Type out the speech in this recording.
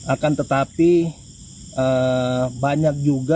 akan tetapi banyak juga